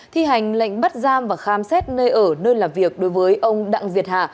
thi hành lệnh bắt giam và khám xét nơi ở nơi làm việc đối với ông đặng việt hà